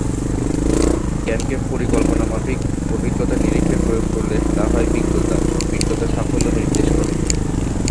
তিনি নিজের সম্পর্কে খুব উচ্চ ধারণা পোষণ করতেন।